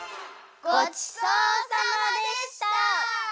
ごちそうさまでした！